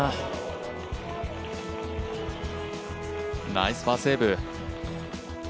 ナイスパーセーブ。